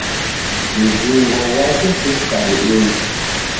Mzingo ghwake si sukari ingi.